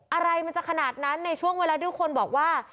อะไรมันจะขนาดนั้นในช่วงเวลาที่คนบอกว่า